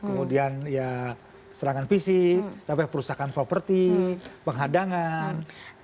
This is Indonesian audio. kemudian ya serangan fisik sampai perusakan properti penghadangan